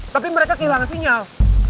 tapi mereka kehilangan sinyal